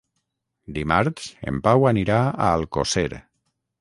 Dimarts en Pau anirà a Alcosser.